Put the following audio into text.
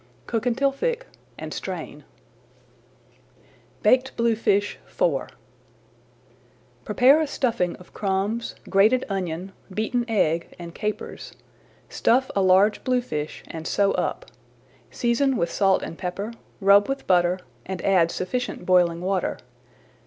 Cook until thick, and strain. [Page 71] BAKED BLUEFISH IV Prepare a stuffing of crumbs, grated onion, beaten egg and capers. Stuff a large bluefish and sew up. Season with salt and pepper, rub with butter, and add sufficient boiling water.